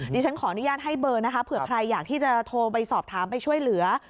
ดิฉันขออนุญาตให้เบอร์นะคะเผื่อใครอยากที่จะโทรไปสอบถามไปช่วยเหลือ